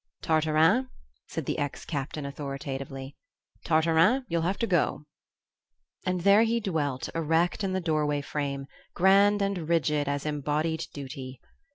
"Tartarin," said the ex captain authoritatively, "Tartarin, you'll have to go!" And there he dwelt, erect in the doorway frame, grand and rigid as embodied Duty.